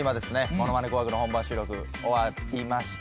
『ものまね紅白』の本番収録終わりまして。